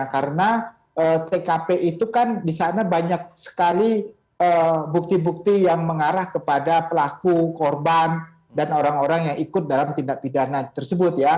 karena tkp itu kan disana banyak sekali bukti bukti yang mengarah kepada pelaku korban dan orang orang yang ikut dalam tindak pidana tersebut ya